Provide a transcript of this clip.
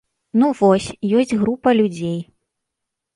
Ну, вось, ёсць група людзей.